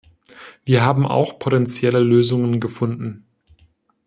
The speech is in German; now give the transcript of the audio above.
Wir haben auch potenzielle Lösungen gefunden.